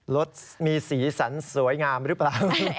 รถมีสีสันสวยงามหรือเปล่า